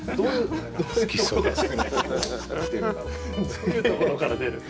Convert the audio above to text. どういうところから出る？